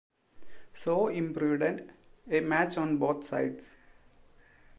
So imprudent a match on both sides!